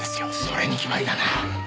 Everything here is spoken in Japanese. それに決まりだな。